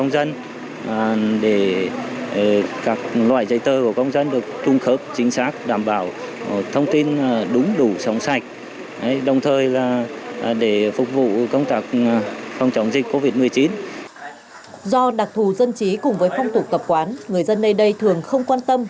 do đặc thù dân trí cùng với phong tục tập quán người dân nơi đây thường không quan tâm